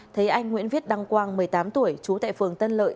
thấy anh nguyễn viết đăng quang một mươi tám tuổi trú tại phường tân lợi